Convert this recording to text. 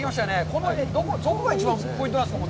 この辺は、どこが一番ポイントなんですか。